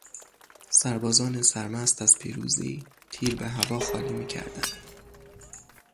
سربازان سرمست از پیروزی، تیر به هوا خالی میکردند.